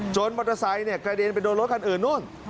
มอเตอร์ไซค์กระเด็นไปโดนรถคันอื่นนู่น